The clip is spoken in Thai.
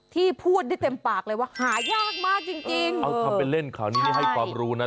ที่พูดได้เต็มปากเลยว่าหายากมากจริงจริงเอาทำเป็นเล่นข่าวนี้ไม่ให้ความรู้นะ